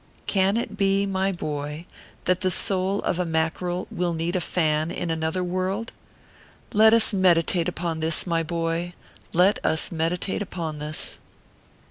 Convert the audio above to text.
Can it be, my boy, that the soul of a Mackerel will need a fan in another world ? Let us meditate upon this, my boy let us meditate upon this